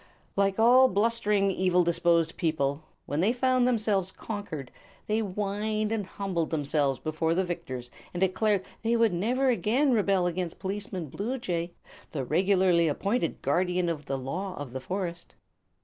Like all blustering, evil disposed people, when they found themselves conquered they whined and humbled themselves before the victors and declared they would never again rebel against Policeman Bluejay, the regularly appointed guardian of the Law of the Forest.